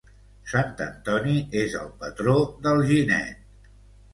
Sant Antoni és el patró d'Alginet.